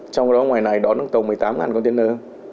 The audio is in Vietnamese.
trong đó ngoài này đón nước tàu một mươi tám container